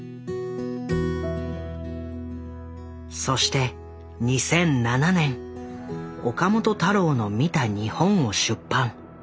そして２００７年「岡本太郎の見た日本」を出版。